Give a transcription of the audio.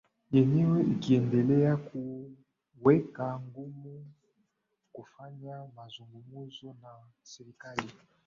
yenyewe ikiendelea kuweka ngumu kufanya mazungumzo na serikali